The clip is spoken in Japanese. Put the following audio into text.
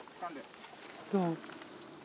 どう？